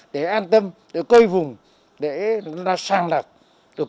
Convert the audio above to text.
để an tâm để cây vùng để nó sang lạc